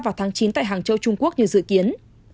vào tháng chín tại hàng châu trung quốc như dự kiến